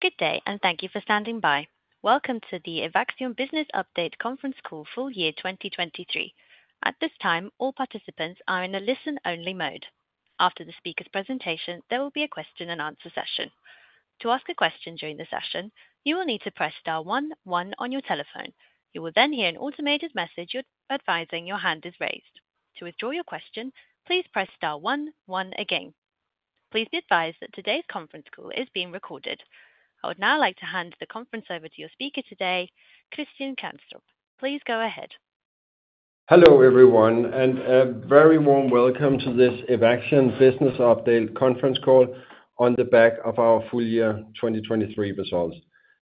Good day and thank you for standing by. Welcome to the Evaxion Business Update Conference Call full year 2023. At this time, all participants are in a listen-only mode. After the speaker's presentation, there will be a question-and-answer session. To ask a question during the session, you will need to press star 1 1 on your telephone. You will then hear an automated message advising your hand is raised. To withdraw your question, please press star 1 1 again. Please be advised that today's conference call is being recorded. I would now like to hand the conference over to your speaker today, Christian Kanstrup. Please go ahead. Hello everyone, and a very warm welcome to this Evaxion Business Update Conference Call on the back of our full year 2023 results.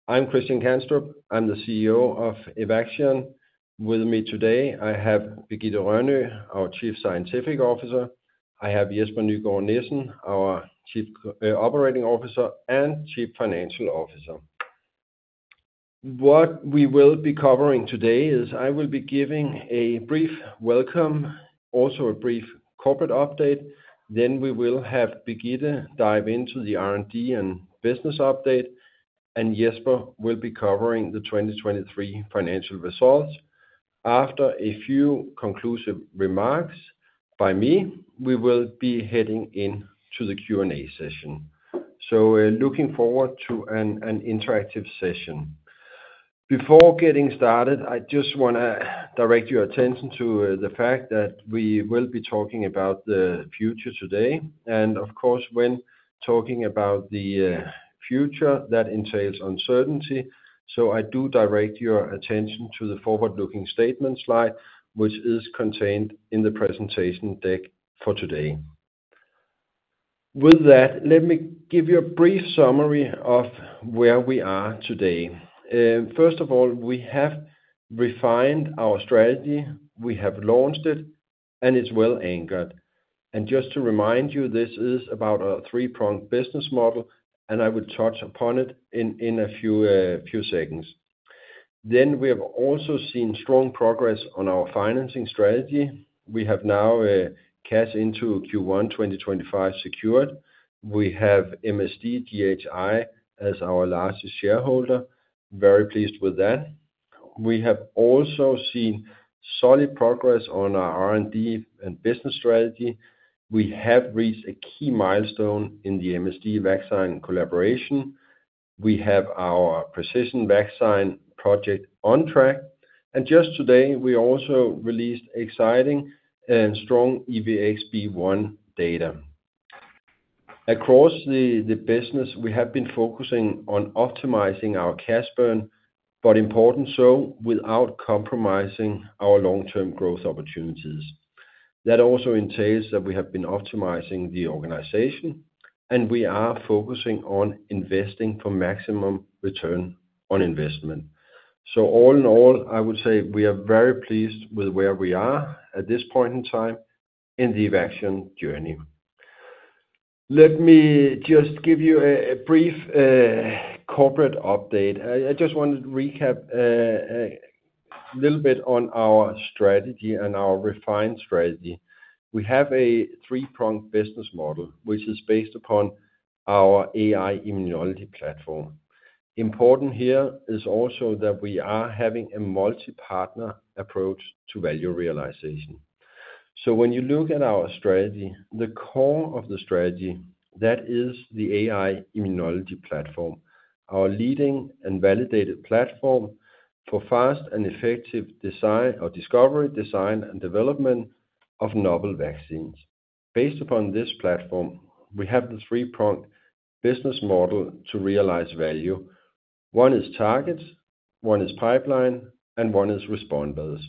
I'm Christian Kanstrup. I'm the CEO of Evaxion. With me today, I have Birgitte Rønø, our Chief Scientific Officer. I have Jesper Nissen, our Chief Operating Officer and Chief Financial Officer. What we will be covering today is I will be giving a brief welcome, also a brief corporate update. Then we will have Birgitte dive into the R&D and business update, and Jesper will be covering the 2023 financial results. After a few conclusive remarks by me, we will be heading into the Q&A session. So, looking forward to an interactive session. Before getting started, I just want to direct your attention to the fact that we will be talking about the future today, and of course, when talking about the future, that entails uncertainty. So I do direct your attention to the forward-looking statement slide, which is contained in the presentation deck for today. With that, let me give you a brief summary of where we are today. First of all, we have refined our strategy. We have launched it, and it's well anchored. And just to remind you, this is about a three-pronged business model, and I will touch upon it in a few seconds. Then we have also seen strong progress on our financing strategy. We have now cash into Q1 2025 secured. We have MSD GHI as our largest shareholder. Very pleased with that. We have also seen solid progress on our R&D and business strategy. We have reached a key milestone in the MSD vaccine collaboration. We have our Precision Vaccine project on track. And just today, we also released exciting, strong EVX-B1 data. Across the business, we have been focusing on optimizing our cash burn, but importantly so, without compromising our long-term growth opportunities. That also entails that we have been optimizing the organization, and we are focusing on investing for maximum return on investment. So all in all, I would say we are very pleased with where we are at this point in time in the Evaxion journey. Let me just give you a brief corporate update. I just want to recap a little bit on our strategy and our refined strategy. We have a three-pronged business model, which is based upon our AI-Immunology platform. Important here is also that we are having a multi-partner approach to value realization. So when you look at our strategy, the core of the strategy, that is the AI-Immunology™ platform, our leading and validated platform for fast and effective design or discovery design and development of novel vaccines. Based upon this platform, we have the three-pronged business model to realize value. One is targets, one is pipeline, and one is responders.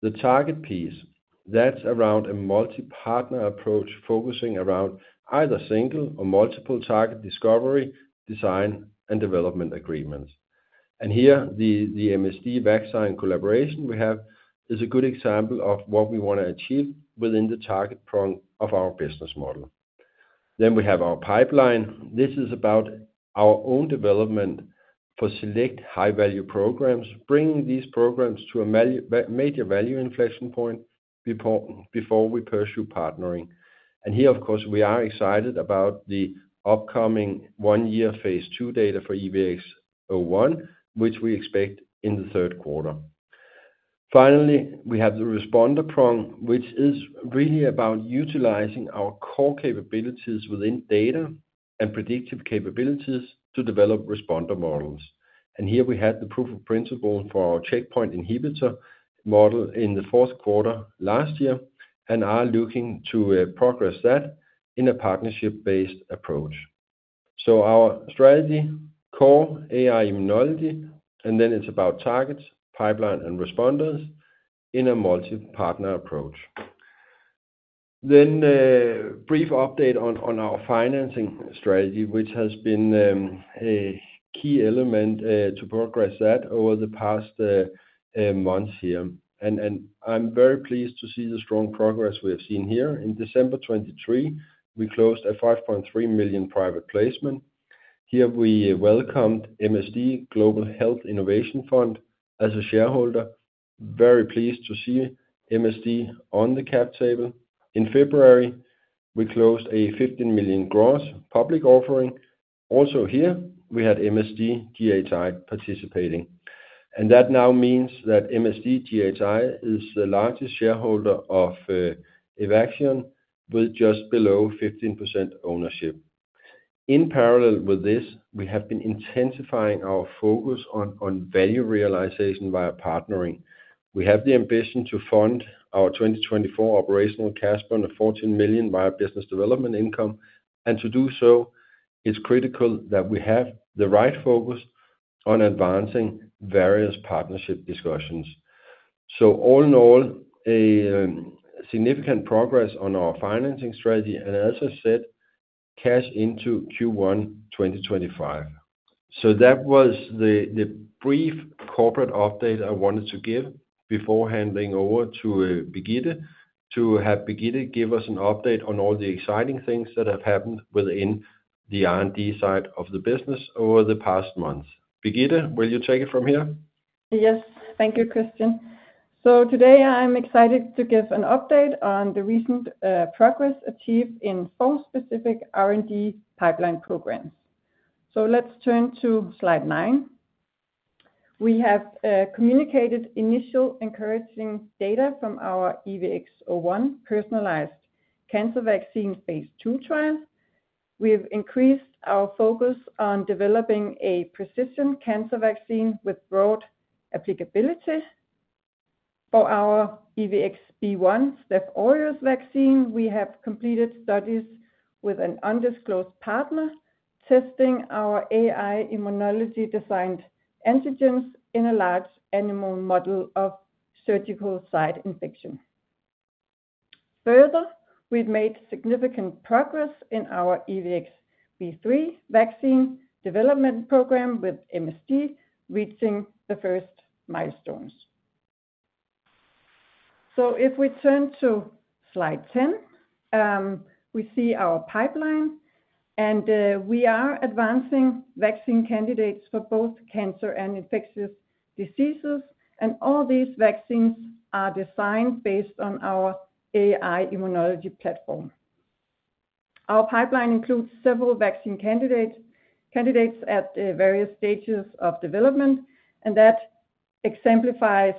The target piece, that's around a multi-partner approach focusing around either single or multiple target discovery design and development agreements. And here, the MSD vaccine collaboration we have is a good example of what we want to achieve within the target prong of our business model. Then we have our pipeline. This is about our own development for select high-value programs, bringing these programs to a major value inflection point before we pursue partnering. And here, of course, we are excited about the upcoming 1-year Phase II data for EVX-01, which we expect in the third quarter. Finally, we have the responder prong, which is really about utilizing our core capabilities within data and predictive capabilities to develop responder models. And here we had the proof of principle for our checkpoint inhibitor model in the fourth quarter last year, and are looking to progress that in a partnership-based approach. So our strategy, core AI-Immunology, and then it's about targets, pipeline, and responders in a multi-partner approach. Then, brief update on our financing strategy, which has been a key element to progress that over the past months here. And I'm very pleased to see the strong progress we have seen here. In December 2023, we closed a $5.3 million private placement. Here we welcomed MSD Global Health Innovation Fund as a shareholder. Very pleased to see MSD on the cap table. In February, we closed a $15 million gross public offering. Also here, we had MSD GHI participating. And that now means that MSD GHI is the largest shareholder of Evaxion with just below 15% ownership. In parallel with this, we have been intensifying our focus on value realization via partnering. We have the ambition to fund our 2024 operational cash burn of $14 million via business development income. And to do so, it's critical that we have the right focus on advancing various partnership discussions. So all in all, a significant progress on our financing strategy and, as I said, cash into Q1 2025. So that was the brief corporate update I wanted to give before handing over to Birgitte, to have Birgitte give us an update on all the exciting things that have happened within the R&D side of the business over the past months. Birgitte, will you take it from here? Yes. Thank you, Christian. So today I'm excited to give an update on the recent progress achieved in Evaxion-specific R&D pipeline programs. So let's turn to slide 9. We have communicated initial encouraging data from our EVX-01 personalized cancer vaccine Phase II trial. We've increased our focus on developing a precision cancer vaccine with broad applicability. For our EVX-B1 Staph aureus vaccine, we have completed studies with an undisclosed partner testing our AI-Immunology designed antigens in a large animal model of surgical site infection. Further, we've made significant progress in our EVX-B3 vaccine development program with MSD reaching the first milestones. So if we turn to slide 10, we see our pipeline, and we are advancing vaccine candidates for both cancer and infectious diseases, and all these vaccines are designed based on our AI-Immunology platform. Our pipeline includes several vaccine candidates at various stages of development, and that exemplifies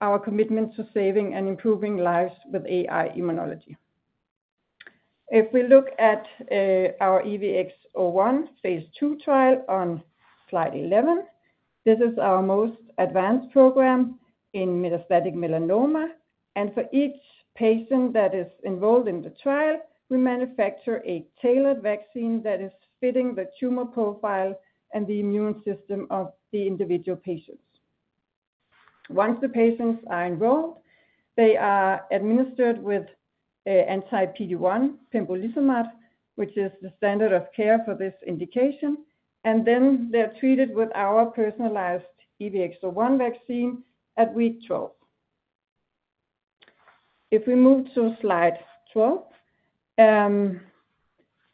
our commitment to saving and improving lives with AI-Immunology™. If we look at our EVX-01 Phase II trial on Slide 11, this is our most advanced program in metastatic melanoma, and for each patient that is involved in the trial, we manufacture a tailored vaccine that is fitting the tumor profile and the immune system of the individual patients. Once the patients are enrolled, they are administered with anti-PD-1 pembrolizumab, which is the standard of care for this indication, and then they're treated with our personalized EVX-01 vaccine at week 12. If we move to Slide 12,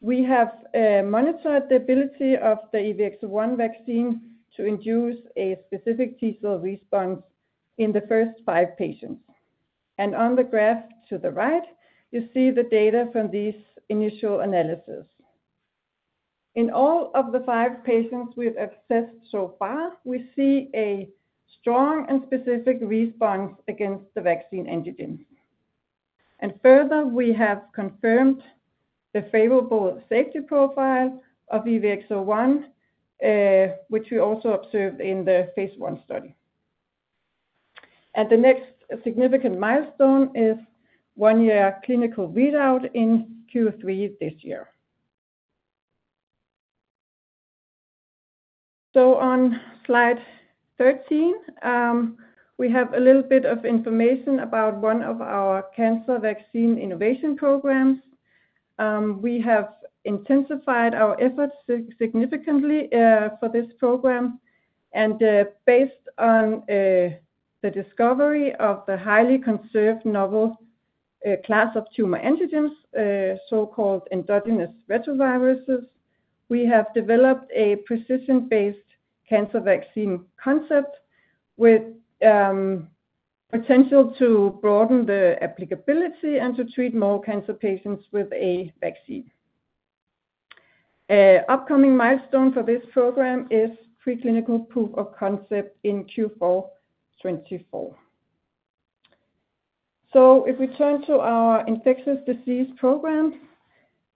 we have monitored the ability of the EVX-01 vaccine to induce a specific T-cell response in the first 5 patients. And on the graph to the right, you see the data from these initial analyses. In all of the five patients we've assessed so far, we see a strong and specific response against the vaccine antigens. And further, we have confirmed the favorable safety profile of EVX-01, which we also observed in the Phase I study. And the next significant milestone is one-year clinical readout in Q3 this year. So on slide 13, we have a little bit of information about one of our cancer vaccine innovation programs. We have intensified our efforts significantly for this program, and based on the discovery of the highly conserved novel class of tumor antigens, so-called endogenous retroviruses, we have developed a precision-based cancer vaccine concept with potential to broaden the applicability and to treat more cancer patients with a vaccine. upcoming milestone for this program is preclinical proof of concept in Q4 2024. So if we turn to our infectious disease program,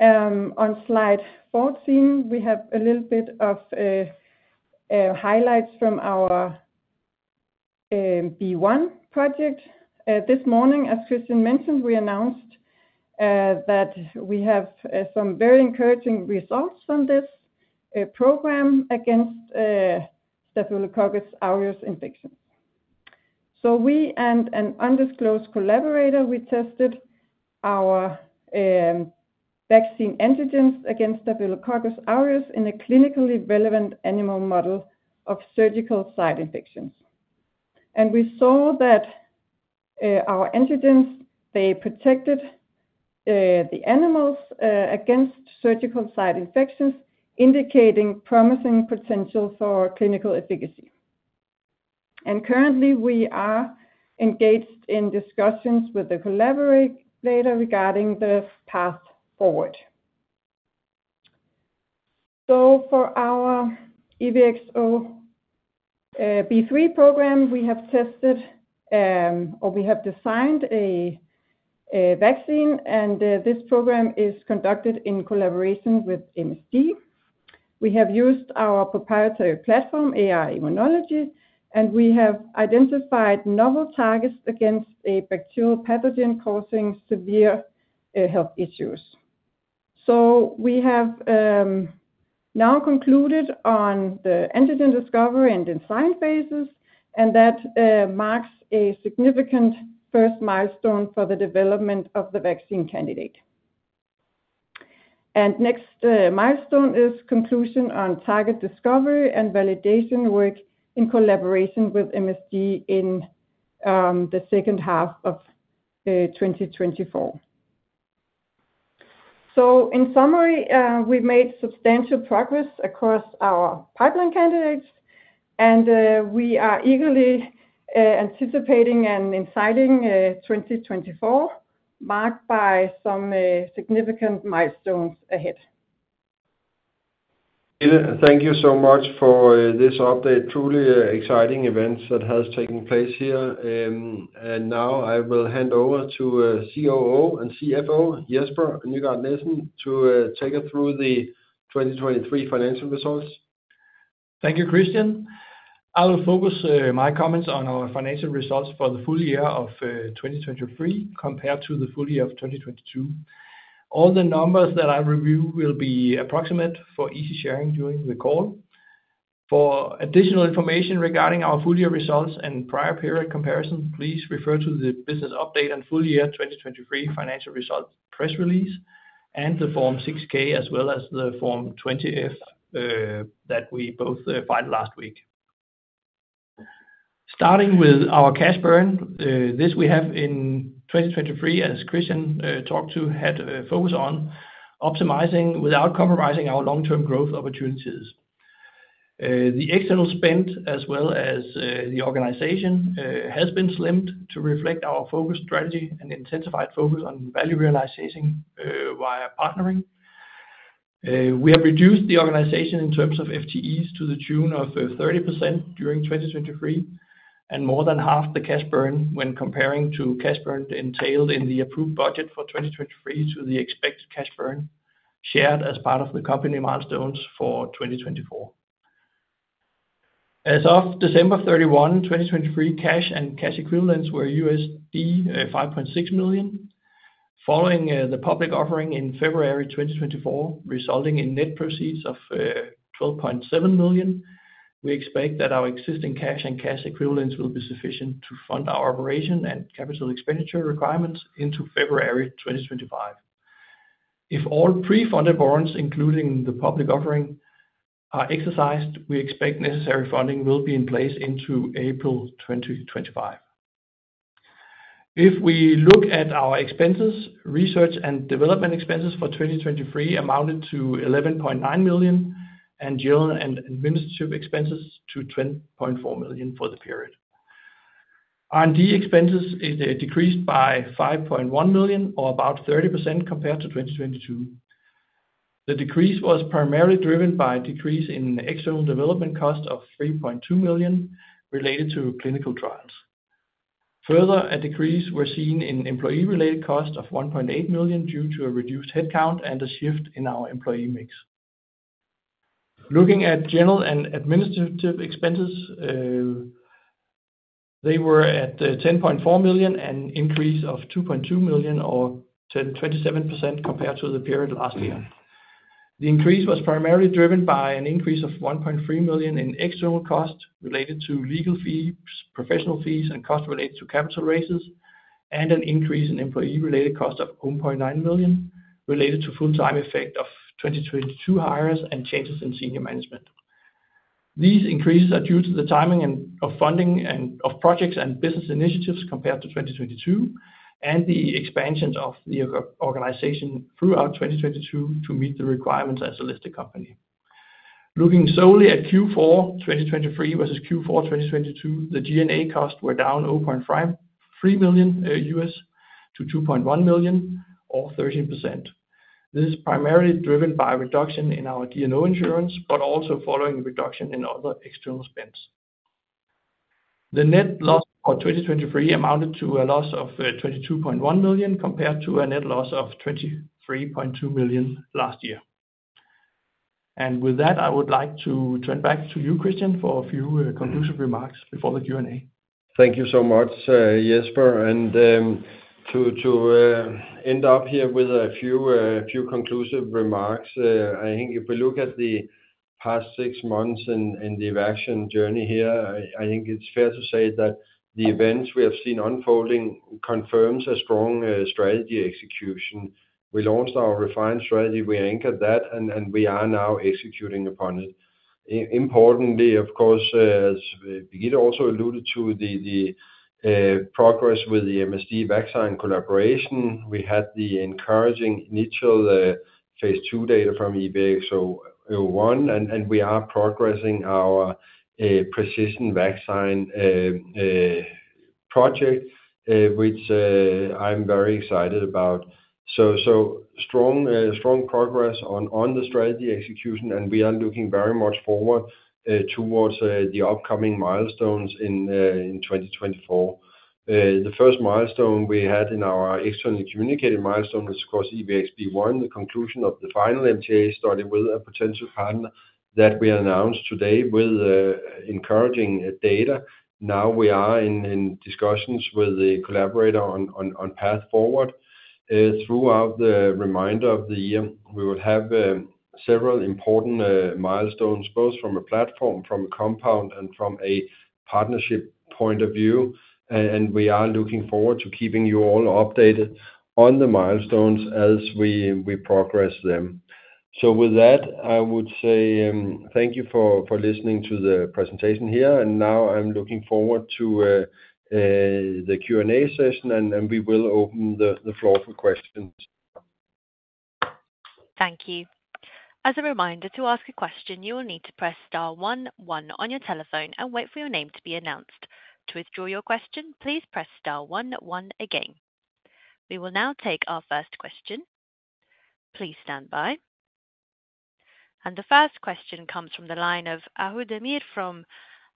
on slide 14, we have a little bit of highlights from our EVX-B1 project. This morning, as Christian mentioned, we announced that we have some very encouraging results from this program against Staphylococcus aureus infections. So we and an undisclosed collaborator tested our vaccine antigens against Staphylococcus aureus in a clinically relevant animal model of surgical site infections. And we saw that our antigens protected the animals against surgical site infections, indicating promising potential for clinical efficacy. And currently, we are engaged in discussions with the collaborator regarding the path forward. So for our EVX-B3 program, we have tested, or we have designed a vaccine, and this program is conducted in collaboration with MSD. We have used our proprietary platform, AI-Immunology, and we have identified novel targets against a bacterial pathogen causing severe health issues. We have now concluded on the antigen discovery and in silico phases, and that marks a significant first milestone for the development of the vaccine candidate. Next milestone is conclusion on target discovery and validation work in collaboration with MSD in the second half of 2024. In summary, we've made substantial progress across our pipeline candidates, and we are eagerly anticipating and exciting 2024 marked by some significant milestones ahead. Birgitte, thank you so much for this update. Truly exciting events that have taken place here. Now I will hand over to COO and CFO Jesper Nissen to take us through the 2023 financial results. Thank you, Christian. I will focus my comments on our financial results for the full year of 2023 compared to the full year of 2022. All the numbers that I review will be approximate for easy sharing during the call. For additional information regarding our full year results and prior period comparison, please refer to the Business Update and Full Year 2023 Financial Results Press Release and the Form 6-K as well as the Form 20-F that we both filed last week. Starting with our cash burn, this we have in 2023, as Christian talked about, had focus on optimizing without compromising our long-term growth opportunities, the external spend as well as the organization has been slimmed to reflect our focused strategy and intensified focus on value realization via partnering. We have reduced the organization in terms of FTEs to the tune of 30% during 2023 and more than half the cash burn when comparing to cash burn entailed in the approved budget for 2023 to the expected cash burn shared as part of the company milestones for 2024. As of December 31, 2023, cash and cash equivalents were $5.6 million. Following the public offering in February 2024 resulting in net proceeds of $12.7 million, we expect that our existing cash and cash equivalents will be sufficient to fund our operation and capital expenditure requirements into February 2025. If all pre-funded bonds, including the public offering, are exercised, we expect necessary funding will be in place into April 2025. If we look at our expenses, research and development expenses for 2023 amounted to $11.9 million and general and administrative expenses to $10.4 million for the period. R&D expenses decreased by $5.1 million or about 30% compared to 2022. The decrease was primarily driven by a decrease in external development cost of $3.2 million related to clinical trials. Further, a decrease was seen in employee-related cost of $1.8 million due to a reduced headcount and a shift in our employee mix. Looking at general and administrative expenses, they were at $10.4 million and an increase of $2.2 million or 27% compared to the period last year. The increase was primarily driven by an increase of $1.3 million in external cost related to legal fees, professional fees, and cost related to capital raises, and an increase in employee-related cost of $1.9 million related to full-time equivalents of 2022 hires and changes in senior management. These increases are due to the timing and of funding and of projects and business initiatives compared to 2022 and the expansion of the organization throughout 2022 to meet the requirements as a listed company. Looking solely at Q4 2023 versus Q4 2022, the G&A costs were down $0.5 million to $2.1 million or 13%. This is primarily driven by a reduction in our D&O insurance but also following a reduction in other external spends. The net loss for 2023 amounted to a loss of $22.1 million compared to a net loss of $23.2 million last year. With that, I would like to turn back to you, Christian, for a few conclusive remarks before the Q&A. Thank you so much, Jesper. And to end up here with a few conclusive remarks, I think if we look at the past six months in the Evaxion journey here, I think it's fair to say that the events we have seen unfolding confirms a strong strategy execution. We launched our refined strategy, we anchored that, and we are now executing upon it. Importantly, of course, as Birgitte also alluded to, the progress with the MSD vaccine collaboration. We had the encouraging initial Phase II data from EVX-01, and we are progressing our precision vaccine project, which I'm very excited about. So strong progress on the strategy execution, and we are looking very much forward towards the upcoming milestones in 2024. The first milestone we had in our externally communicated milestone was, of course, EVX-B1, the conclusion of the final MTA study with a potential partner that we announced today with encouraging data. Now we are in discussions with the collaborator on path forward. Throughout the remainder of the year, we will have several important milestones both from a platform, from a compound, and from a partnership point of view, and we are looking forward to keeping you all updated on the milestones as we progress them. So with that, I would say, thank you for listening to the presentation here, and now I'm looking forward to the Q&A session, and we will open the floor for questions. Thank you. As a reminder to ask a question, you will need to press star 11 on your telephone and wait for your name to be announced. To withdraw your question, please press star 11 again. We will now take our first question. Please stand by. The first question comes from the line of Ahu Demir from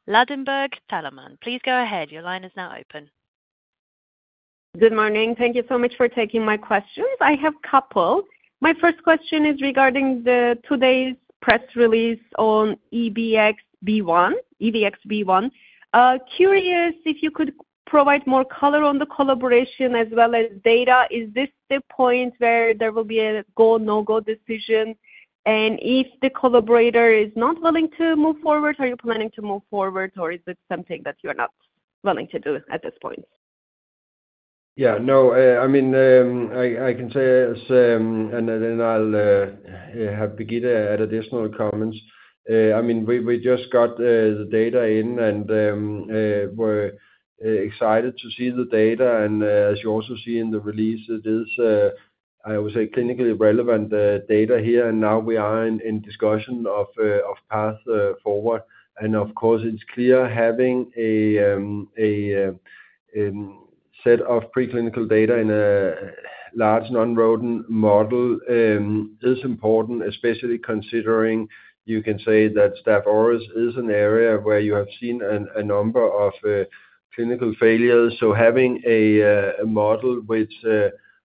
Ladenburg Thalmann. Please go ahead, your line is now open. Good morning. Thank you so much for taking my questions. I have a couple. My first question is regarding today's press release on EVX-B1. Curious if you could provide more color on the collaboration as well as data. Is this the point where there will be a go-no-go decision? And if the collaborator is not willing to move forward, are you planning to move forward, or is it something that you are not willing to do at this point? Yeah. No, I mean, I can say, and then I'll have Birgitte additional comments. I mean, we just got the data in and were excited to see the data. And, as you also see in the release, it is, I would say, clinically relevant data here, and now we are in discussion of path forward. And of course, it's clear having a set of preclinical data in a large non-rodent model is important, especially considering you can say that Staph aureus is an area where you have seen a number of clinical failures. So having a model which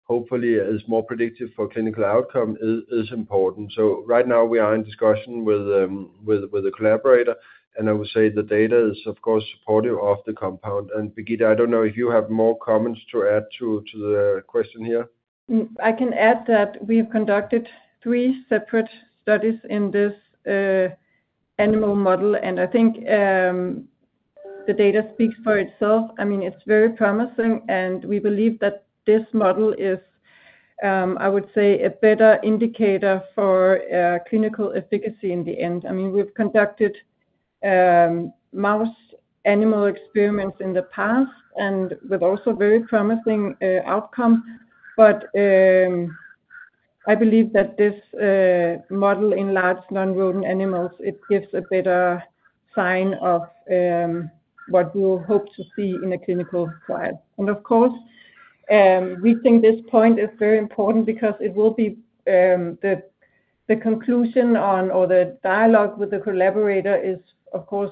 hopefully is more predictive for clinical outcome is important. So right now we are in discussion with a collaborator, and I would say the data is, of course, supportive of the compound. Birgitte, I don't know if you have more comments to add to the question here. I can add that we have conducted 3 separate studies in this animal model, and I think the data speaks for itself. I mean, it's very promising, and we believe that this model is, I would say, a better indicator for clinical efficacy in the end. I mean, we've conducted mouse animal experiments in the past and with also very promising outcome, but I believe that this model in large non-rodent animals it gives a better sign of what we will hope to see in a clinical trial. And of course, we think this point is very important because it will be the conclusion on or the dialogue with the collaborator is, of course,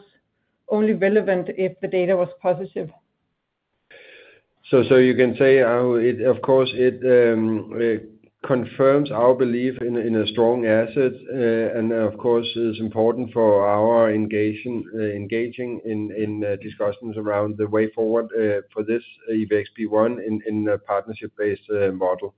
only relevant if the data was positive. So you can say, Ahu, it, of course, confirms our belief in a strong asset, and, of course, it is important for our engaging in discussions around the way forward for this EVX-B1 in a partnership-based model.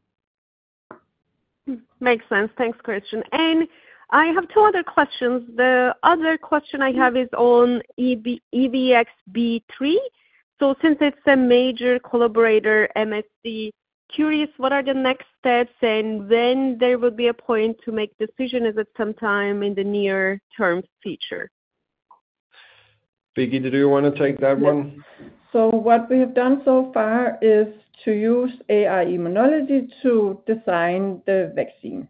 Makes sense. Thanks, Christian. And I have two other questions. The other question I have is on EVX-B3. So since it's a major collaborator, MSD, curious what are the next steps and when there would be a point to make decision? Is it sometime in the near-term future? Birgitte, do you want to take that one? Yes. So what we have done so far is to use AI-Immunology to design the vaccine.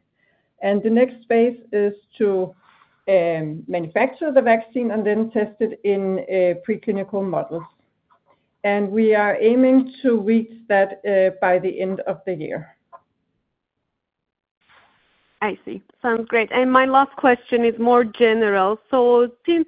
And the next phase is to manufacture the vaccine and then test it in preclinical models. And we are aiming to reach that by the end of the year. I see. Sounds great. And my last question is more general. So since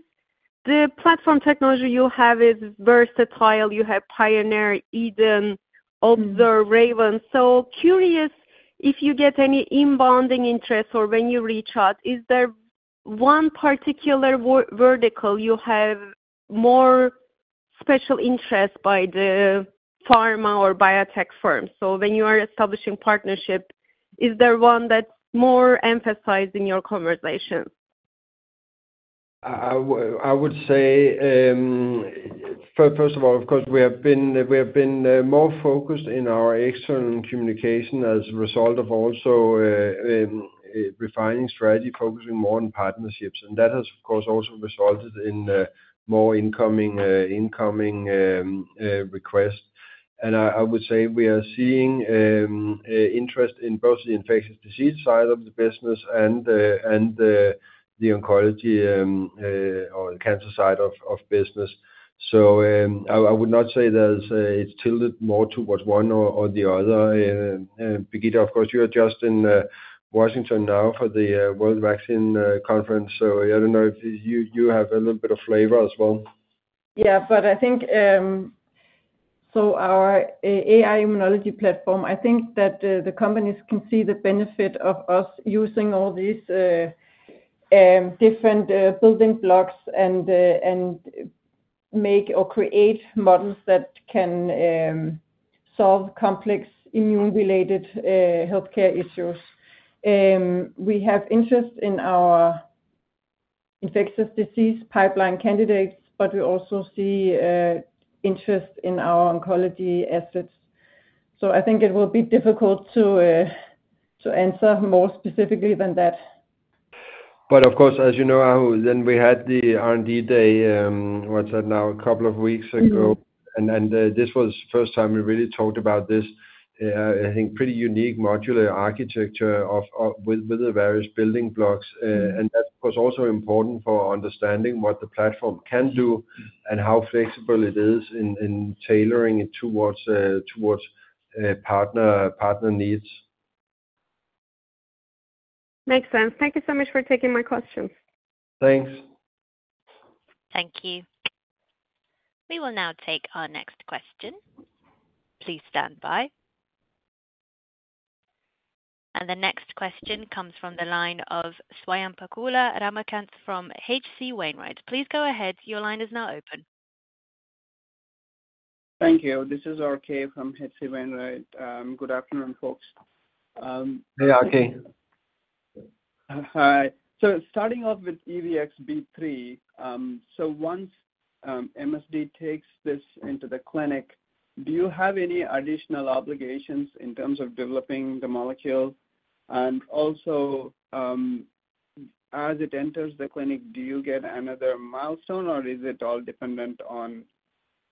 the platform technology you have is versatile, you have Pioneer, EDEN, Observe, RAVEN, so curious if you get any inbound interest or when you reach out, is there one particular vertical you have more special interest by the pharma or biotech firms? So when you are establishing partnership, is there one that's more emphasized in your conversations? I would say, first of all, of course, we have been more focused in our external communication as a result of also refining strategy, focusing more on partnerships. That has, of course, also resulted in more incoming requests. I would say we are seeing interest in both the infectious disease side of the business and the oncology, or the cancer side of business. So, I would not say that it's tilted more towards one or the other. Birgitte, of course, you are just in Washington now for the World Vaccine Conference, so I don't know if you have a little bit of flavor as well. Yeah, but I think, so our AI-Immunology platform, I think that the companies can see the benefit of us using all these different building blocks and make or create models that can solve complex immune-related healthcare issues. We have interest in our infectious disease pipeline candidates, but we also see interest in our oncology assets. So I think it will be difficult to answer more specifically than that. But of course, as you know, Ahu, then we had the R&D Day, what's that now, a couple of weeks ago, and this was the first time we really talked about this, I think, pretty unique modular architecture of the various building blocks. And that's, of course, also important for understanding what the platform can do and how flexible it is in tailoring it towards partner needs. Makes sense. Thank you so much for taking my questions. Thanks. Thank you. We will now take our next question. Please stand by. The next question comes from the line of Ramakanth Swayampakula from HC Wainwright. Please go ahead, your line is now open. Thank you. This is RK from HC Wainwright. Good afternoon, folks. Hey, RK. Hi. So starting off with EVX-B3, so once MSD takes this into the clinic, do you have any additional obligations in terms of developing the molecule? And also, as it enters the clinic, do you get another milestone, or is it all dependent on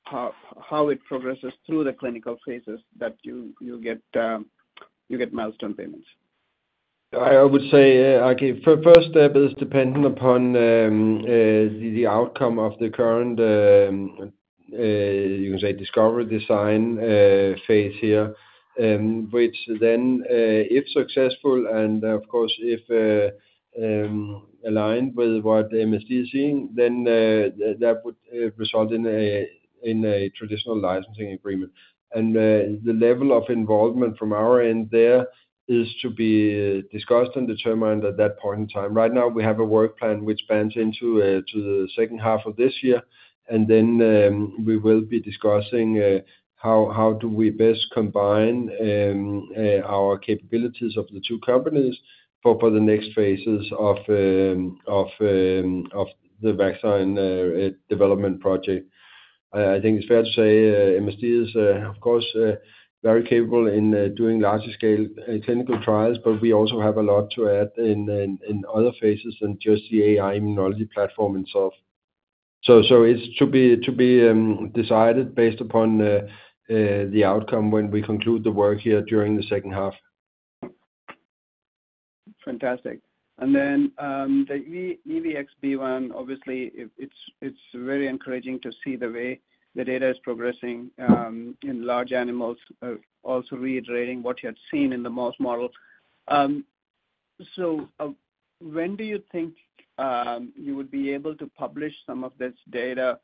how it progresses through the clinical phases that you get milestone payments? I would say, RK, first step is dependent upon the outcome of the current, you can say discovery design phase here, which then, if successful and, of course, if aligned with what MSD is seeing, then that would result in a traditional licensing agreement. The level of involvement from our end there is to be discussed and determined at that point in time. Right now, we have a work plan which spans into the second half of this year, and then we will be discussing how do we best combine our capabilities of the two companies for the next phases of the vaccine development project. I think it's fair to say, MSD is, of course, very capable in doing large-scale clinical trials, but we also have a lot to add in other phases than just the AI-Immunology platform itself. So it's to be decided based upon the outcome when we conclude the work here during the second half. Fantastic. And then, the EVX-B1, obviously, it's very encouraging to see the way the data is progressing in large animals, also reiterating what you had seen in the mouse model. So, when do you think you would be able to publish some of this data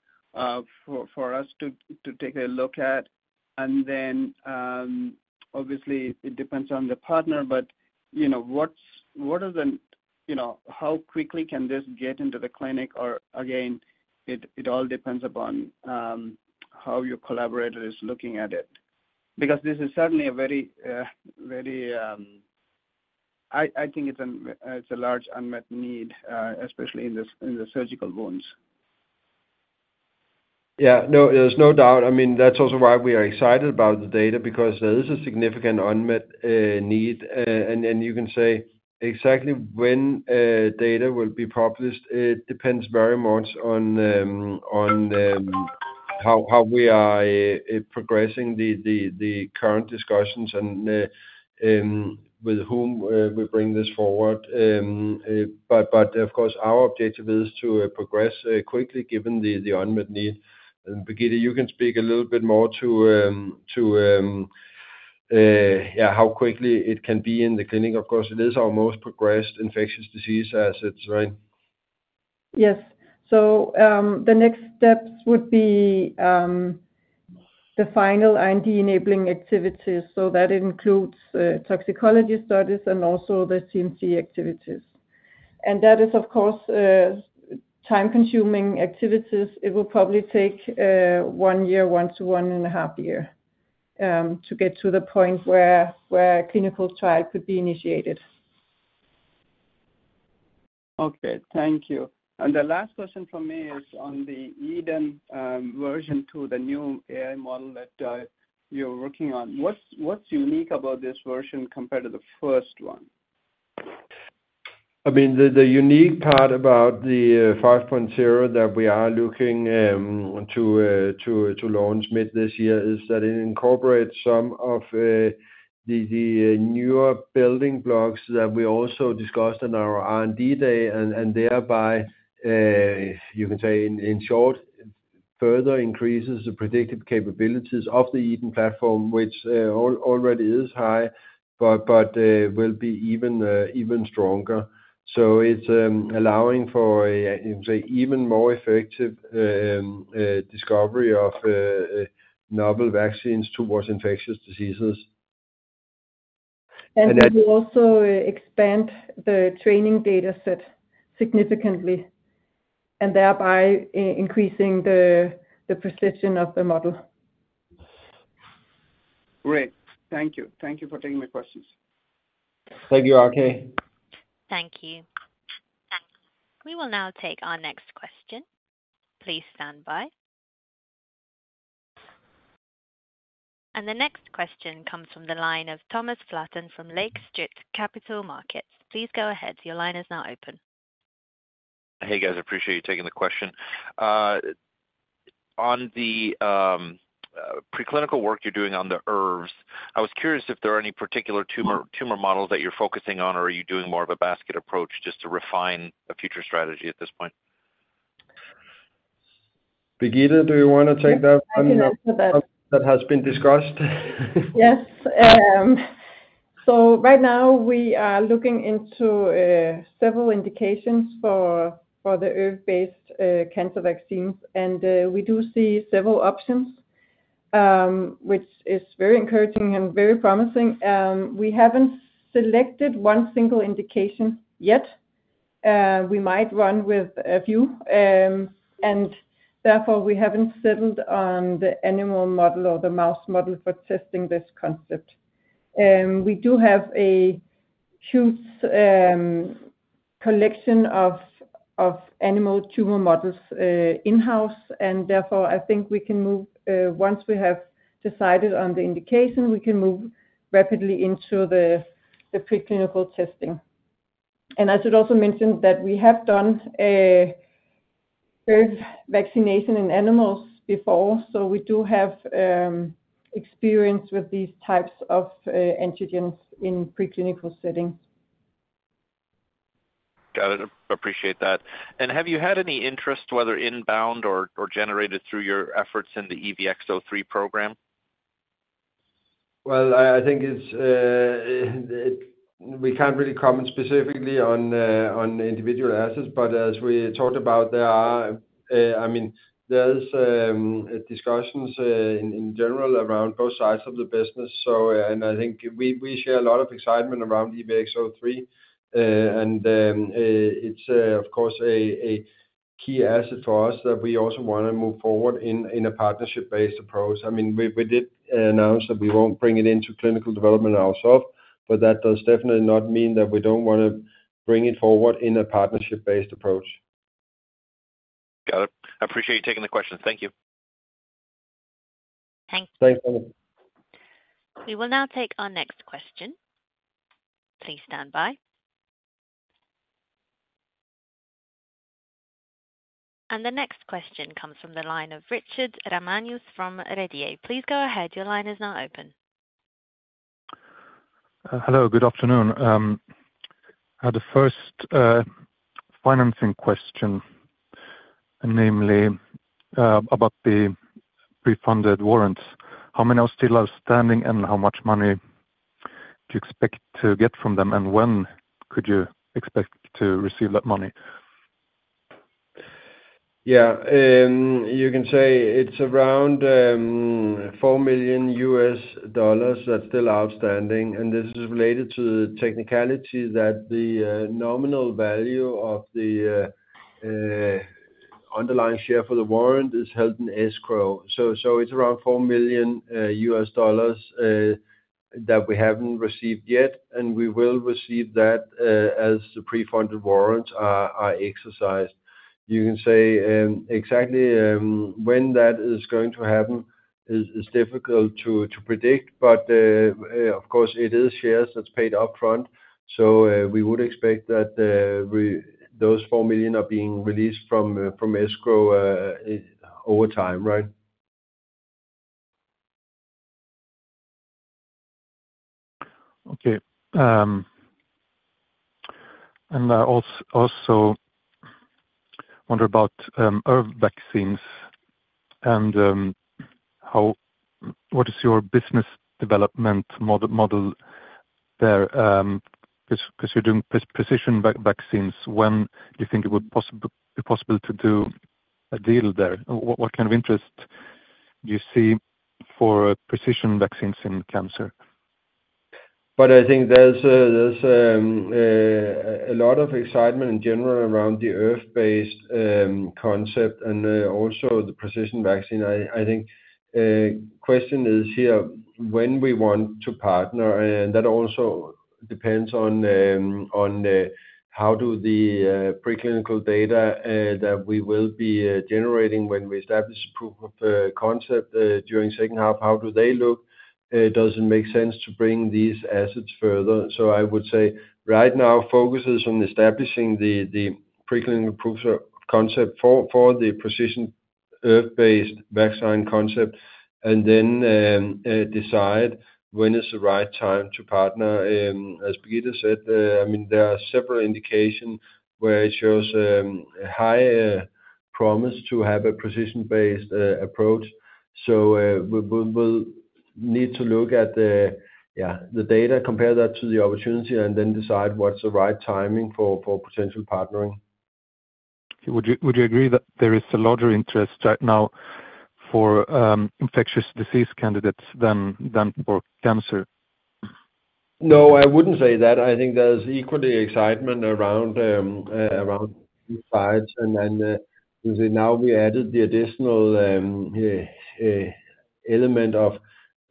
for us to take a look at? And then, obviously, it depends on the partner, but you know, what are the, you know, how quickly can this get into the clinic? Or again, it all depends upon how your collaborator is looking at it because this is certainly a very, very, I think it's a large unmet need, especially in the surgical wounds. Yeah. No, there's no doubt. I mean, that's also why we are excited about the data because there is a significant unmet need. And you can say exactly when data will be published, it depends very much on how we are progressing the current discussions and with whom we bring this forward. But of course, our objective is to progress quickly given the unmet need. And Birgitte, you can speak a little bit more to how quickly it can be in the clinic. Of course, it is our most progressed infectious disease assets, right? Yes. The next steps would be the final R&D enabling activities, so that includes toxicology studies and also the CMC activities. And that is, of course, time-consuming activities. It will probably take 1 year, 1 to 1.5 year, to get to the point where a clinical trial could be initiated. Okay. Thank you. The last question from me is on the EDEN version 2, the new AI model that you're working on. What's unique about this version compared to the first one? I mean, the unique part about the 5.0 that we are looking to launch mid this year is that it incorporates some of the newer building blocks that we also discussed on our R&D day and thereby you can say, in short, further increases the predictive capabilities of the Eden platform, which already is high, but will be even stronger. So it's allowing for, you can say, even more effective discovery of novel vaccines towards infectious diseases. It will also expand the training dataset significantly and thereby increasing the precision of the model. Great. Thank you. Thank you for taking my questions. Thank you, RK. Thank you. We will now take our next question. Please stand by. The next question comes from the line of Thomas Flaten from Lake Street Capital Markets. Please go ahead, your line is now open. Hey, guys. Appreciate you taking the question. On the preclinical work you're doing on the ERVs, I was curious if there are any particular tumor, tumor models that you're focusing on, or are you doing more of a basket approach just to refine a future strategy at this point? Birgitte, do you want to take that one? Yes. That has been discussed? Yes. So right now, we are looking into several indications for the ERVs-based cancer vaccines, and we do see several options, which is very encouraging and very promising. We haven't selected one single indication yet. We might run with a few, and therefore, we haven't settled on the animal model or the mouse model for testing this concept. We do have a huge collection of animal tumor models in-house, and therefore, I think we can move. Once we have decided on the indication, we can move rapidly into the preclinical testing. And I should also mention that we have done ERVs vaccination in animals before, so we do have experience with these types of antigens in preclinical settings. Got it. Appreciate that. And have you had any interest, whether inbound or generated through your efforts in the EVX-03 program? Well, I think we can't really comment specifically on individual assets, but as we talked about, there are, I mean, there's discussions in general around both sides of the business, so, and I think we share a lot of excitement around EVX-03, and it's of course a key asset for us that we also want to move forward in a partnership-based approach. I mean, we did announce that we won't bring it into clinical development ourselves, but that does definitely not mean that we don't want to bring it forward in a partnership-based approach. Got it. Appreciate you taking the question. Thank you. Thanks. Thanks, Thomas. We will now take our next question. Please stand by. The next question comes from the line of Richard Ramanius from Redeye. Please go ahead, your line is now open. Hello, good afternoon. The first financing question, namely, about the pre-funded warrants. How many are still outstanding, and how much money do you expect to get from them, and when could you expect to receive that money? Yeah. You can say it's around $4 million that's still outstanding, and this is related to the technicality that the nominal value of the underlying share for the warrant is held in escrow. So it's around $4 million that we haven't received yet, and we will receive that as the pre-funded warrants are exercised. You can say exactly when that is going to happen is difficult to predict, but of course it is shares that's paid upfront, so we would expect that those $4 million are being released from escrow over time, right? Okay. And also wonder about ERVs vaccines and what is your business development model there, because you're doing precision vaccines. When do you think it would be possible to do a deal there? What kind of interest do you see for precision vaccines in cancer? But I think there's a lot of excitement in general around the ERVs-based concept and also the precision vaccine. I think the question is here, when we want to partner, and that also depends on how do the preclinical data that we will be generating when we establish a proof of concept during second half how do they look? Does it make sense to bring these assets further? So I would say right now focus is on establishing the preclinical proofs of concept for the precision ERVs-based vaccine concept and then decide when is the right time to partner. As Birgitte said, I mean, there are several indications where it shows high promise to have a precision-based approach. So we will need to look at the data, compare that to the opportunity, and then decide what's the right timing for potential partnering. Would you agree that there is a larger interest right now for infectious disease candidates than for cancer? No, I wouldn't say that. I think there's equally excitement around both sides, and then, you can say now we added the additional element of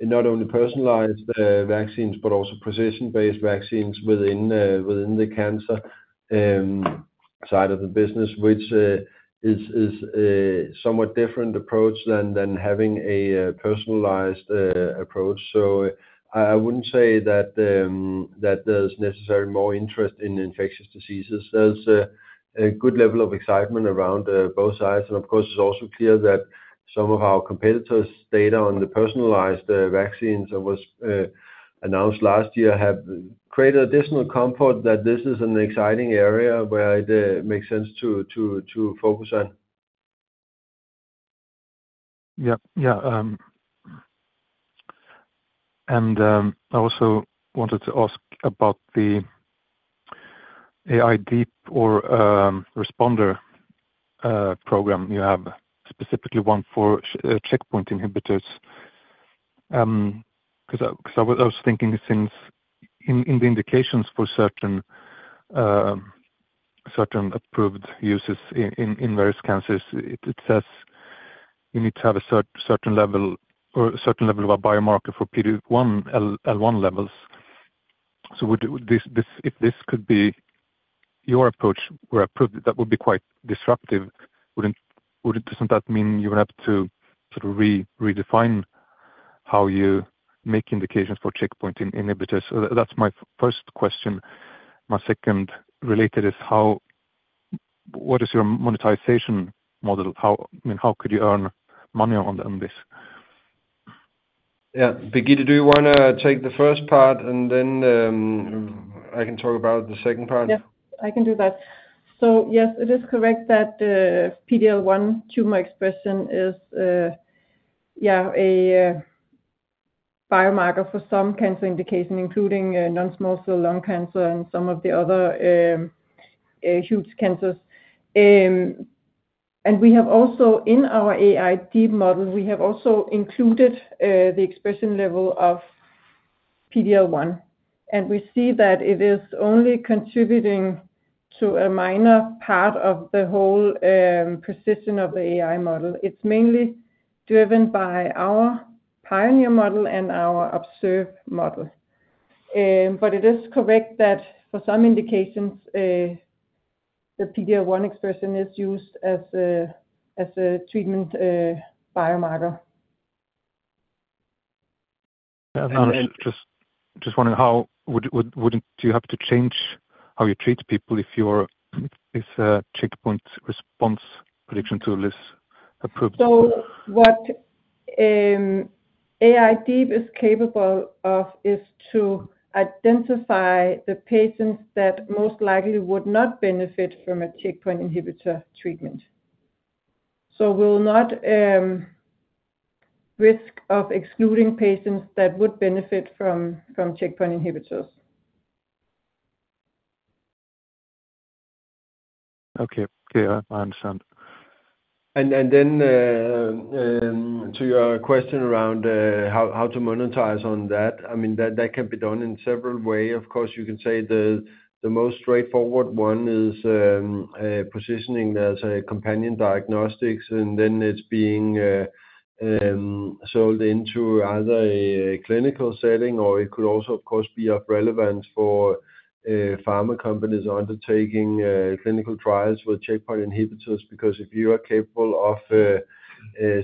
not only personalized vaccines but also precision-based vaccines within the cancer side of the business, which is somewhat different approach than having a personalized approach. So I wouldn't say that there's necessarily more interest in infectious diseases. There's a good level of excitement around both sides, and of course, it's also clear that some of our competitors' data on the personalized vaccines that was announced last year have created additional comfort that this is an exciting area where it makes sense to focus on. Yep. Yeah, and I also wanted to ask about the AI-Deep or responder program. You have specifically one for checkpoint inhibitors, because I was thinking since in the indications for certain approved uses in various cancers, it says you need to have a certain level or a certain level of a biomarker for PD-L1 levels. So would this, if this could be your approach were approved, that would be quite disruptive. Wouldn't that mean you would have to sort of redefine how you make indications for checkpoint inhibitors? So that's my first question. My second related is how what is your monetization model? How I mean, how could you earn money on this? Yeah. Birgitte, do you want to take the first part, and then, I can talk about the second part? Yeah. I can do that. So yes, it is correct that PD-L1 tumor expression is yeah a biomarker for some cancer indication, including non-small cell lung cancer and some of the other huge cancers. And we have also in our AI-Deep model, we have also included the expression level of PD-L1, and we see that it is only contributing to a minor part of the whole precision of the AI model. It's mainly driven by our Pioneer model and our Observe model. But it is correct that for some indications, the PD-L1 expression is used as a treatment biomarker. Yeah. And I'm just wondering, wouldn't you have to change how you treat people if your checkpoint response prediction tool is approved? So what AI-Deep is capable of is to identify the patients that most likely would not benefit from a checkpoint inhibitor treatment. So we'll not risk of excluding patients that would benefit from checkpoint inhibitors. Okay. Okay. I understand. And then, to your question around how to monetize on that, I mean, that can be done in several ways. Of course, you can say the most straightforward one is positioning as a companion diagnostics, and then it's being sold into either a clinical setting, or it could also, of course, be of relevance for pharma companies undertaking clinical trials with checkpoint inhibitors because if you are capable of,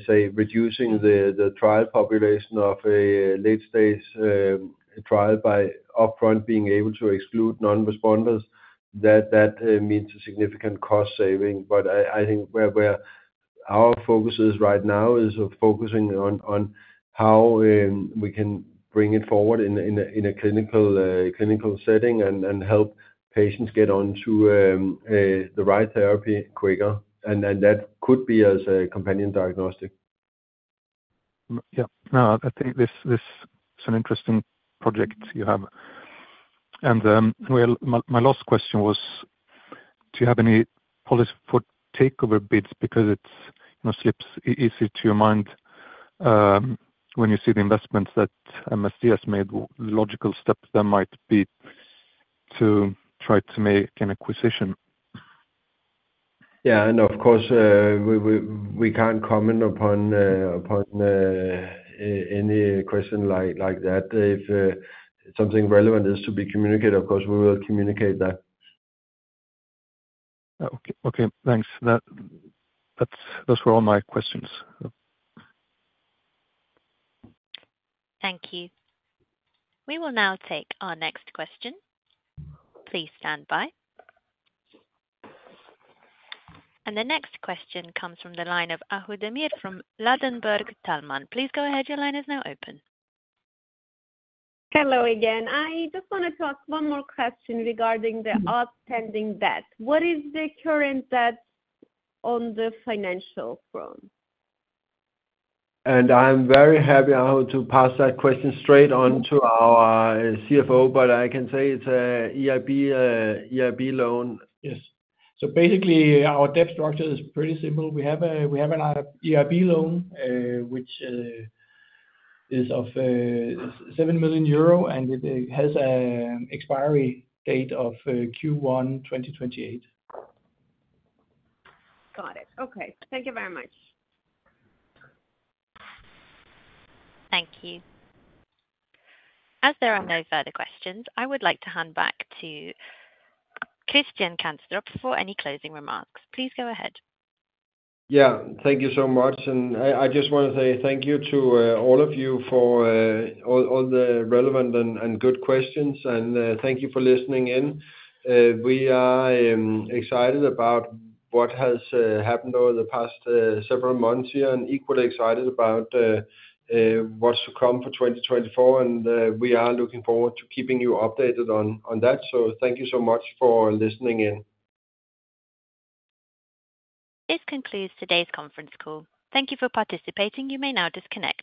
say, reducing the trial population of a late-stage trial by upfront being able to exclude non-responders, that means a significant cost saving. But I think where our focus is right now is focusing on how we can bring it forward in a clinical setting and help patients get onto the right therapy quicker, and that could be as a companion diagnostic. Yeah. No, I think this is an interesting project you have. And, well, my last question was, do you have any policy for takeover bids because it's, you know, slips easily to your mind, when you see the investments that MSD has made? Logical step there might be to try to make an acquisition. Yeah. No, of course, we can't comment upon any question like that. If something relevant is to be communicated, of course, we will communicate that. Okay. Okay. Thanks. That, that's those were all my questions. Thank you. We will now take our next question. Please stand by. The next question comes from the line of Ahu Demir from Ladenburg Thalmann. Please go ahead, your line is now open. Hello again. I just want to ask one more question regarding the outstanding debt. What is the current debt on the financial front? I'm very happy I had to pass that question straight on to our CFO, but I can say it's a EIB, EIB loan. Yes. So basically, our debt structure is pretty simple. We have an EIB loan, which is of 7 million euro, and it has an expiry date of Q1 2028. Got it. Okay. Thank you very much. Thank you. As there are no further questions, I would like to hand back to Christian Kanstrup for any closing remarks. Please go ahead. Yeah. Thank you so much. And I just want to say thank you to all of you for all the relevant and good questions, and thank you for listening in. We are excited about what has happened over the past several months here and equally excited about what's to come for 2024, and we are looking forward to keeping you updated on that. So thank you so much for listening in. This concludes today's conference call. Thank you for participating. You may now disconnect.